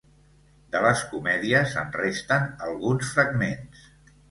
De les comèdies en resten alguns fragments.